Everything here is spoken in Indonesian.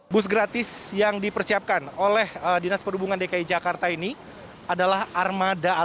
bus gratis yang dipersiapkan oleh dinas perhubungan dki jakarta ini adalah armada